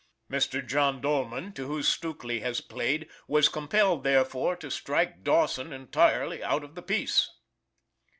Mr. John Dolman, to whose Stukely has played, was compelled, therefore, to strike Dawson entirely out of the piece.